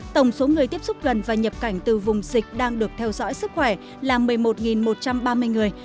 tổng số người tiếp xúc gần và nhập cảnh từ vùng dịch đang được theo dõi sức khỏe là một mươi một một trăm ba mươi người